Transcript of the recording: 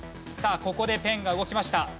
さあここでペンが動きました。